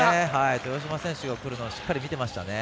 豊島選手がくるのをしっかり見てましたね。